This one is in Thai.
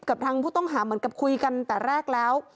กับทางผู้ต้องหาเหมือนกับคุยกันแต่แรกแล้ว